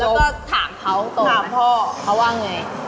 แล้วก็ถามเขาสู้แหละถามพ่อเขาว่าอย่างไร